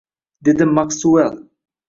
dedi Maksuel